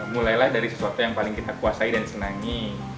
mulailah dari sesuatu yang paling kita kuasai dan disenangi